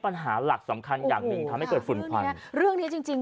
ปัญหาหลักสำคัญอย่างหนึ่งทำให้เกิดฝุ่นควันเรื่องเนี้ยจริงจริง